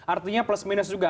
artinya plus minus juga